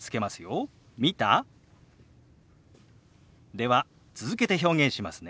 では続けて表現しますね。